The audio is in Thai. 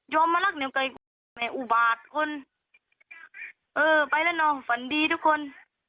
ยอมมารักเนี่ยไก่แหมอุบาทคนเออไปแล้วเนาะฝันดีทุกคน